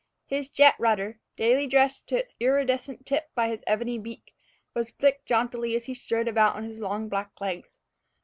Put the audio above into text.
His jet rudder, daily dressed to its iridescent tip by his ebony beak, was flicked jauntily as he strode around on his long black legs.